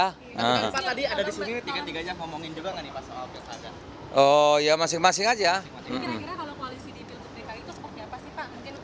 kira kira kalau koalisi di pilkada itu seperti apa sih pak mungkin nanti berhasil kita atau